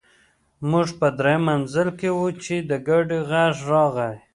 موږ په درېیم منزل کې وو چې د ګاډي غږ راغی